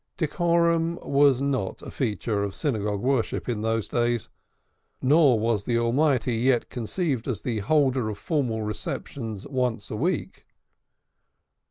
Decorum was not a feature of synagogue worship in those days, nor was the Almighty yet conceived as the holder of formal receptions once a week.